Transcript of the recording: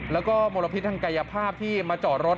แล้วก็มลพิษทางกายภาพที่มาจอดรถ